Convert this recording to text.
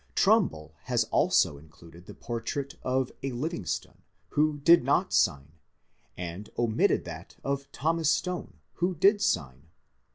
Trumbull has also included the portrait of a Livingston, who did not sign, and omitted that of Thomas Stone, who did sign.